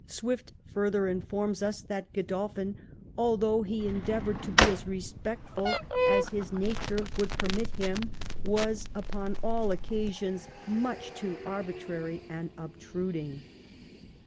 Swift further informs us that Gbdolphin, ^* although he endeavoured to be as respectful as his nature would per mit him, was, upon all occasions, much too arbitrary and obtruding."